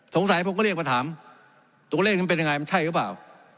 ผมก็เรียกมาถามตัวเลขนั้นเป็นยังไงมันใช่หรือเปล่า